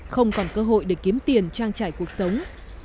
không còn cơ hội để kiếm tiền trang trải cuộc sống